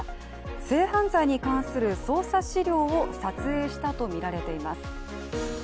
性犯罪に関する捜査資料を撮影したとみられています。